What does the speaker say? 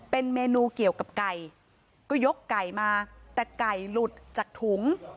เป็นเมนูเกี่ยวกับไก่ก็ยกไก่มาแต่ไก่หลุดจากถุง